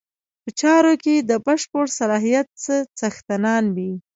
په چارو کې د بشپړ صلاحیت څښتنان وي.